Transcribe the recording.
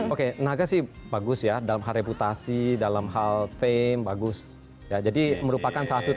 oke naga sih bagus ya dalam hal reputasi dalam hal fame bagus ya jadi merupakan salah satu